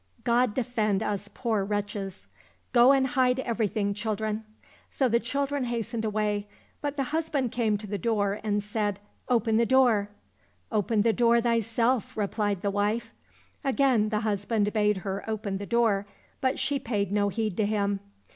God defend us poor wretches ! Go and hide everything, children." So the children hastened away, but the husband came to the door and said, *' Open the door !"—" Open the door thyself," replied the wife. — ^Again the husband bade her open the door, but she paid no heed to him.